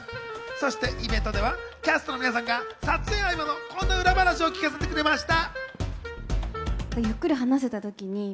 そしてイベントではキャストの皆さんが撮影合間のこんな裏話を聞かせてくれました。